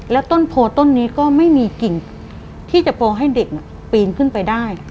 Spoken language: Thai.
แล้วต้นโพต้นนี้ก็ไม่มีกิ่งที่จะโปรให้เด็กปีนขึ้นไปได้